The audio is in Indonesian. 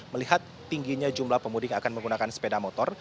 melihat tingginya jumlah pemudik akan menggunakan sepeda motor